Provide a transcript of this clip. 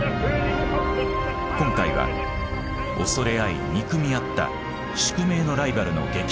今回は恐れ合い憎み合った宿命のライバルの激突。